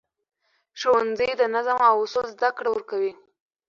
ښوونځی د نظم او اصولو زده کړه ورکوي